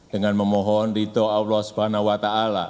dengan memohon rito allah swt